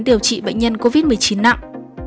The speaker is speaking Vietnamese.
điều trị bệnh nhân covid một mươi chín nặng